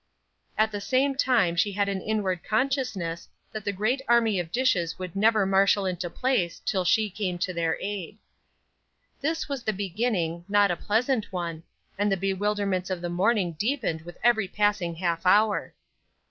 At the same time she had an inward consciousness that the great army of dishes would never marshal into place till she came to their aid. This was the beginning, not a pleasant one, and the bewilderments of the morning deepened with every passing half hour.